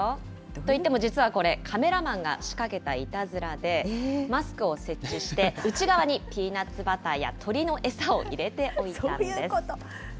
といってもこれ、実はカメラマンが仕掛けたいたずらで、マスクを設置して、内側にピーナツバターや鳥の餌を入れておいたんです。